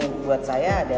tidak takut tersaingi